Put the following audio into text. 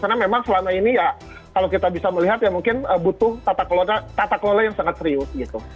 karena memang selama ini ya kalau kita bisa melihat ya mungkin butuh tata kelola yang sangat serius gitu